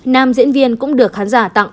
nam diễn viên cũng được khán giả tặng ô tô